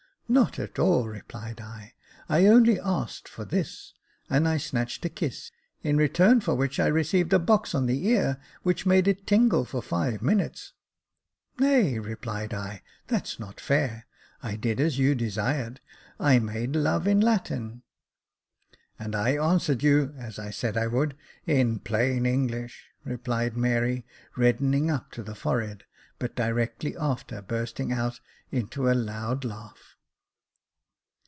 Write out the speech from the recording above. " Not at all," replied I, " I only asked for this," and I snatched a kiss, in return for which I received a box on the ear, which made it tingle for five minutes. " Nay," replied I, '* that's not fair ; I did as you desired — I made love in Latin." " And I answered you, as I said I would, in plain English," replied Mary, reddening up to the forehead, but directly after bursting out into a loud laugh.